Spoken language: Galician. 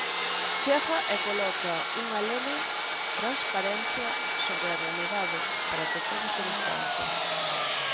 Chega e coloca unha lene transparencia sobre a realidade para que todo se distancie.